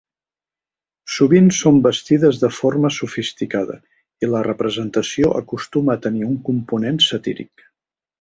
Sovint són vestides de forma sofisticada i la representació acostuma a tenir un component satíric.